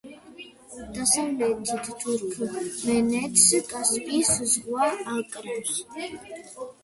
დასავლეთით თურქმენეთს კასპიის ზღვა აკრავს.